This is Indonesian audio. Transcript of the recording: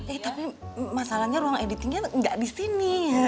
eh tapi masalahnya ruang editingnya nggak di sini